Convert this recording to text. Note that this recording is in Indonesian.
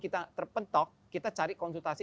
kita terpentok kita cari konsultasi